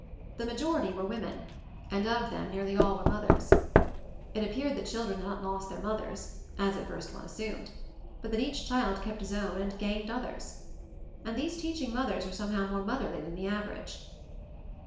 The majority were women, and of them nearly all were mothers. It appeared that children had not lost their mothers, as at first one assumed, but that each child kept his own and gained others. And these teaching mothers were somehow more motherly than the average.